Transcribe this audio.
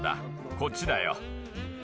こっちだよ。